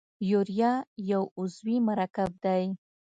یوریا یو عضوي مرکب دی.